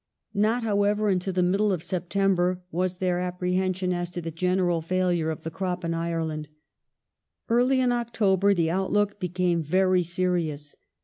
Not, however, until the middle of September was there apprehension as to the general failure of the crop in Ireland. Early in October the outlook became very serious.